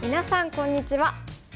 こんにちは。